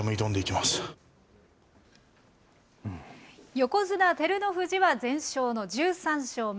横綱・照ノ富士は全勝の１３勝目。